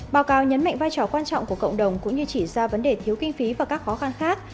báo cáo nhấn mạnh vai trò quan trọng của cộng đồng cũng như chỉ ra vấn đề thiếu kinh phí và các khó khăn khác